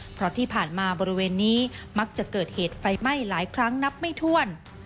เพราะที่ผ่านมาบริเวณนี้มักจะเกิดเหตุไฟไหม้หลายครั้งนับไม่ถ้วน